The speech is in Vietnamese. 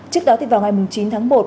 trước đó thì vào ngày chín tháng một